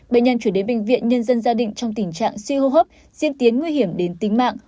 bệnh nhân chuyển đến bệnh viện nhân dân gia định trong tình trạng suy hô hấp diên tiến nguy hiểm đến tính mạng